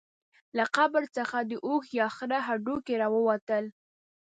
له قبر څخه د اوښ یا خره هډوکي راووتل.